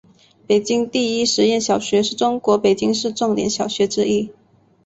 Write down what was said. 北京第一实验小学是中国北京市重点小学之一。